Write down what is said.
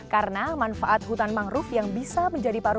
karena manfaat hutan mangruf yang bisa menjadi paru paru